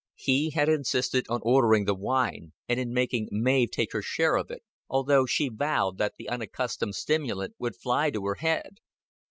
He had insisted on ordering the wine, and in making Mav take her share of it, although she vowed that the unaccustomed stimulant would fly to her head.